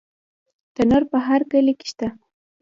تندور په هر کلي کې شته.